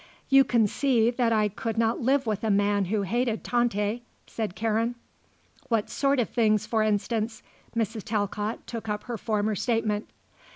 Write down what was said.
"You can see that I could not live with a man who hated Tante," said Karen. "What sort of things for instance?" Mrs. Talcott took up her former statement.